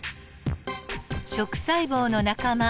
食細胞の仲間